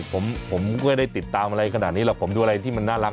ผมผมก็ไม่ได้ติดตามอะไรขนาดนี้หรอกผมดูอะไรที่มันน่ารัก